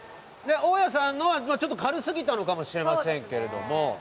大家さんのはちょっと軽すぎたのかもしれませんけれども。